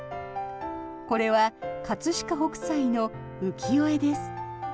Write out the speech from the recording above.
これは葛飾北斎の浮世絵です。